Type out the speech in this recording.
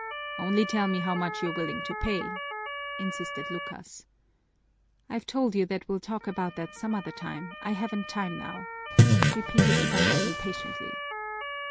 "Only tell me how much you're willing to pay," insisted Lucas. "I've told you that we'll talk about that some other time. I haven't time now," repeated Ibarra impatiently.